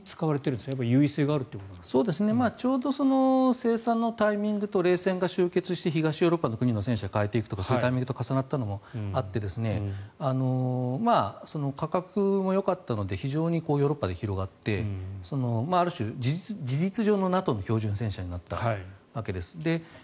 ちょうど生産のタイミングと冷戦が終結して東ヨーロッパの国が戦車を変えていくタイミングと重なったのもあって価格もよかったので非常にヨーロッパで広がってある種、事実上のＮＡＴＯの標準戦車になったわけです。